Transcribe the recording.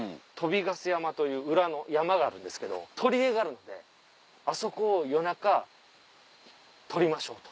鳶ヶ巣山という裏の山があるんですけど砦があるのであそこを夜中取りましょうと。